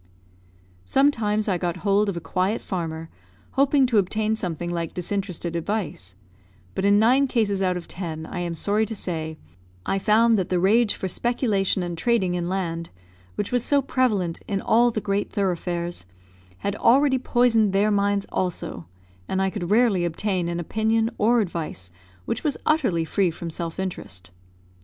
Sometimes I got hold of a quiet farmer, hoping to obtain something like disinterested advice; but in nine cases out of ten, I am sorry to say, I found that the rage for speculation and trading in land, which was so prevalent in all the great thoroughfares, had already poisoned their minds also, and I could rarely obtain an opinion or advice which was utterly free from self interest.